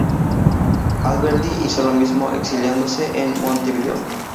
Alberdi hizo lo mismo, exiliándose en Montevideo.